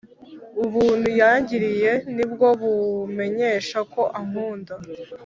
Ubuntu yangiriye nibwo bubimenyesha ko ankunda